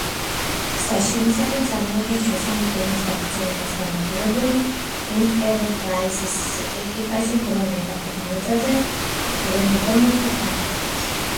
გზა შინისაკენ წარმოადგენს მესამე ფილმის გაგრძელებას, განადგურებული „ენტერპრაიზის“ ეკიპაჟი ბრუნდება დედამიწაზე კლინგონური ხომალდით.